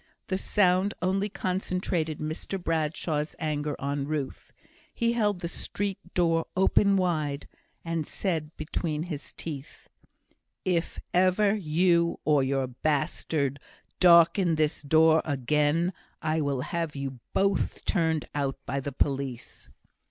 The sound only concentrated Mr Bradshaw's anger on Ruth. He held the street door open wide, and said, between his teeth, "If ever you, or your bastard, darken this door again, I will have you both turned out by the police!"